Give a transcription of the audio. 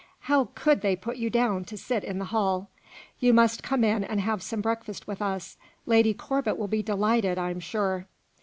How could they put you down to sit in the hall? You must come in and have some breakfast with us; Lady Corbet will be delighted, I'm sure."